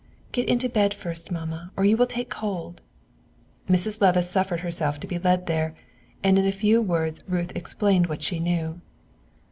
"Get into bed first, Mamma, or you will take cold." Mrs. Levice suffered herself to be led there, and in a few words Ruth explained what she knew.